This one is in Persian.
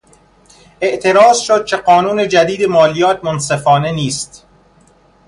اعتراض شد که قانون جدید مالیات منصفانه نیست.